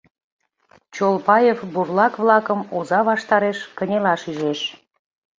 Чолпаев бурлак-влакым оза ваштареш кынелаш ӱжеш.